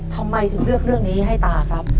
ทำไมถึงเลือกเรื่องนี้ให้ตาครับ